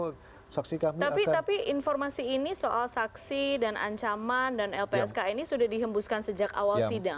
tapi informasi ini soal saksi dan ancaman dan lpsk ini sudah dihembuskan sejak awal sidang